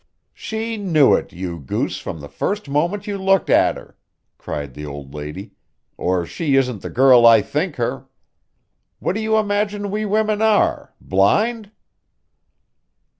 "She knew it, you goose, from the first moment you looked at her," cried the old lady, "or she isn't the girl I think her. What do you imagine we women are blind?"